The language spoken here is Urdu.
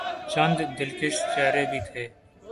چند دلکش چہرے بھی تھے۔